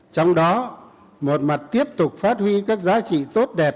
trong đó một mặt tiếp tục phát huy các giá trị tốt đẹp